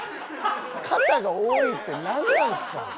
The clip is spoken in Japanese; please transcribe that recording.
「肩が多い」ってなんなんすか？